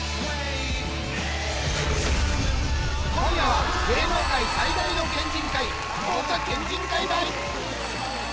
今夜は芸能界最大の県人会福岡県人会ばい